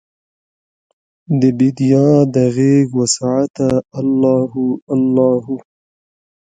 دبیدیا د غیږوسعته الله هو، الله هو